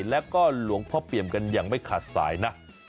แล้วก็หลวงพ่อเปี่ยมกันอย่างไม่ขาดสายนะ